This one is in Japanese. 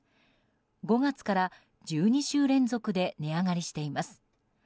５月から、１２週連続で値上がりしています。